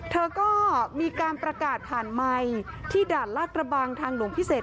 เธอก็มีการประกาศผ่านไมค์ที่ด่านลาดกระบังทางหลวงพิเศษ